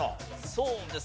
そうです。